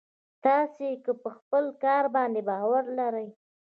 تاسې که په خپل کار باندې باور لرئ.